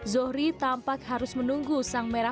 zohri tampak harus menunggu sang merah